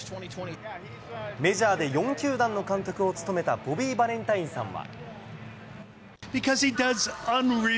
メジャーで４球団の監督を務めたボビー・バレンタインさんは。